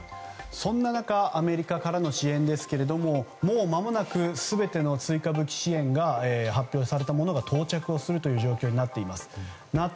そんな中アメリカからの支援ですがもうまもなく全ての追加武器支援が発表されたものが到着するという状況になっています。